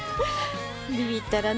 ビビったらね